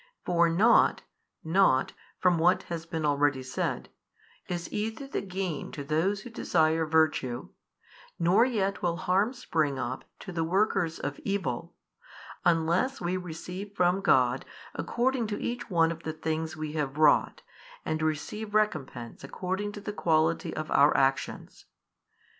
For nought, nought (from what has been already said) is either the gain to those who desire virtue, nor yet will harm spring up to the workers of evil, unless we receive from God according to each one of the things we have wrought, and receive recompense according to the quality of our actions.